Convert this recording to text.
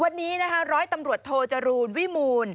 วันนี้นะคะร้อยตำรวจโทจรูลวิมูล